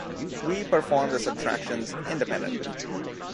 We perform the subtractions independently.